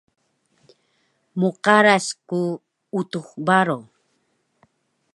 Mqaras ku Utux Baro